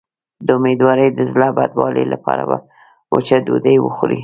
د امیدوارۍ د زړه بدوالي لپاره وچه ډوډۍ وخورئ